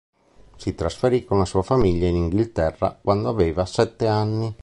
Si trasferì con la sua famiglia in Inghilterra quando aveva sette anni.